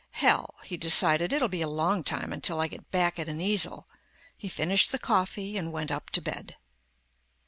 Hell, he decided, it'll be a long time until I get back at an easel. He finished the coffee and went up to bed.